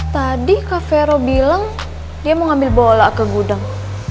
tadi kak vero bilang dia mau ngambil bola ke gudang